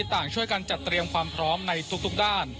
ต่างช่วยกันจัดเตรียมความพร้อมในทุกด้าน